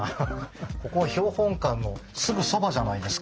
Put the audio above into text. ここは標本館のすぐそばじゃないですか。